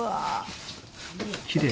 きれい。